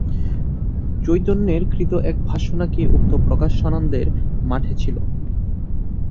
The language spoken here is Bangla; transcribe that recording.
চৈতন্যের কৃত এক ভাষ্য নাকি উক্ত প্রকাশানন্দের মঠে ছিল।